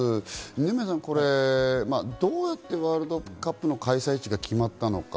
二宮さん、どうやってワールドカップの開催地が決まったのか。